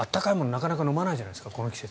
なかなか飲まないじゃないですかこの季節。